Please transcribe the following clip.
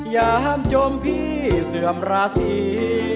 อย่าห้ามจมพี่เสื่อมราศี